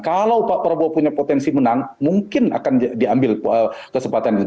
kalau pak prabowo punya potensi menang mungkin akan diambil kesempatan itu